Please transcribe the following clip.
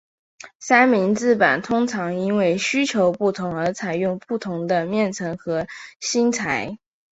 三明治板通常因为需求不同而采用不同的面层和芯材。